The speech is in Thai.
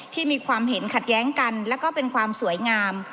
ที่มีความเห็นขัดแย้งกันแล้วก็เป็นความสวยงาม